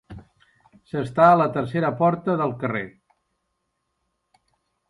S'està a la tercera porta del carrer.